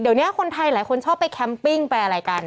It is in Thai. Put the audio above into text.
เดี๋ยวนี้คนไทยหลายคนชอบไปแคมปิ้งไปอะไรกัน